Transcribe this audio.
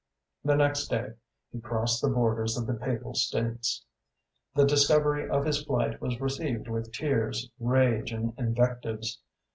The next day he crossed the borders of the Papal States. The discovery of his flight was received with tears, rage, and invectives.